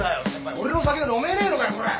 俺の酒が飲めねえのかよコラ！